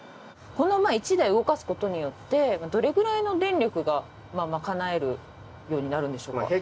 このまぁ１台動かすことによってどれくらいの電力が賄えるようになるんでしょうか？